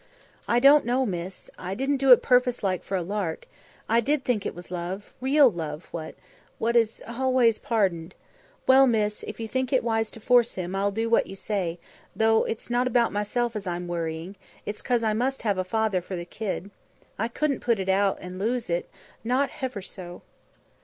"I didn't know, miss. I didn't do it purposelike for a lark. I did think it was love, real love what what is h'always pardinned. Well, miss, if you think it wise to force 'im, I'll do what you say, though it's not about meself as I'm worrying; it's 'cause I must have a father for the kid. I couldn't put it out, an' lose it, not h'ever so."